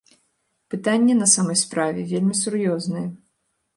Пытанне на самай справе вельмі сур'ёзнае.